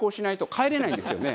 帰れないんですよね？